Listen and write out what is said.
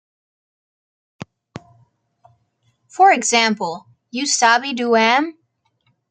For example, you sabi do am?